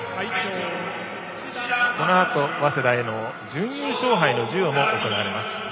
このあと早稲田への準優勝杯の授与も行われます。